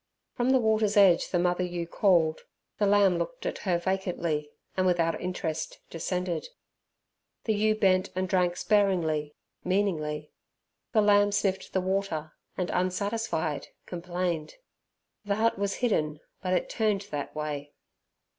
From the water's edge the mother ewe called. The lamb looked at her vacantly, and without interest descended. The ewe bent and drank sparingly, meaningly. The lamb sniffed the water, and, unsatisfied, complained. The hut was hidden, but it turned that way.